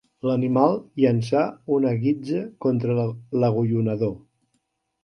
L'animal llançà una guitza contra l'agullonador.